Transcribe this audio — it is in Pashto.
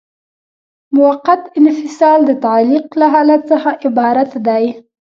موقت انفصال د تعلیق له حالت څخه عبارت دی.